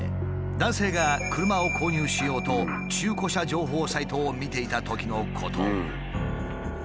男性が車を購入しようと中古車情報サイトを見ていたときのこと。